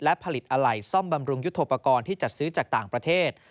และผลิตอะไหล่ซ่อมบำรุงยุทธโปรกรณ์ที่จัดซื้อจากต่างประเทศ